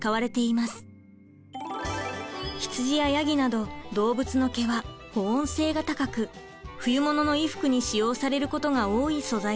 羊やヤギなど動物の毛は保温性が高く冬物の衣服に使用されることが多い素材です。